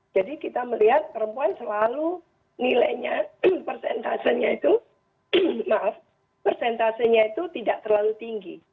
jadi kita melihat perempuan selalu nilainya persentasenya itu maaf persentasenya itu tidak terlalu tinggi